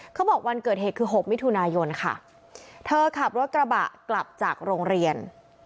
วันเกิดเหตุคือ๖มิถุนายนค่ะเธอขับรถกระบะกลับจากโรงเรียน